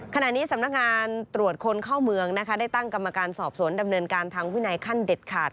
ขณะนี้สำนักงานตรวจคนเข้าเมืองนะคะได้ตั้งกรรมการสอบสวนดำเนินการทางวินัยขั้นเด็ดขาด